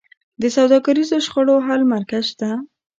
د سوداګریزو شخړو حل مرکز شته؟